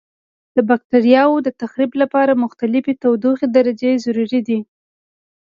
د بکټریاوو د تخریب لپاره مختلفې تودوخې درجې ضروري دي.